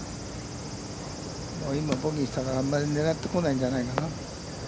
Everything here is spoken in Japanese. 今ボギーしたから、あんまり狙ってこないんじゃないかな。